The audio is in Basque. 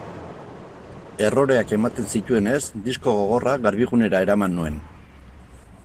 Erroreak ematen zituenez, disko gogorra Garbigunera eraman nuen.